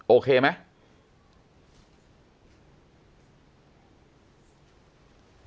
โอเคไหม